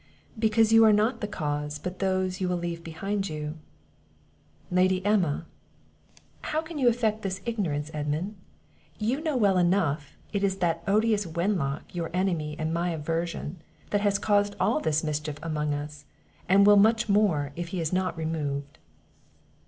"Because you are not the cause, but those you will leave behind you." "Lady Emma!" "How can you affect this ignorance, Edmund? You know well enough it is that odious Wenlock, your enemy and my aversion, that has caused all this mischief among us, and will much more, if he is not removed."